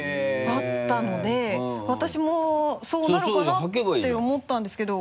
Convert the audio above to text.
あったので私もそうなるかなって思ったんですけど。